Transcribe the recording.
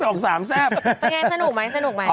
เป็นอย่างไรสนุกไหมสนุกไหม